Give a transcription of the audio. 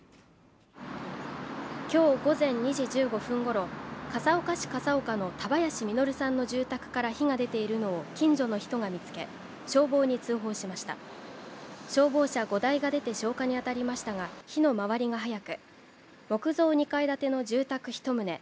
今日午前２時１５分ごろ笠岡市笠岡の田林稔さんの住宅から火が出ているのを近所の人が見つけ消防に通報しました消防車５台が出て消火に当たりましたが火の回りが早く木造２階建ての住宅一棟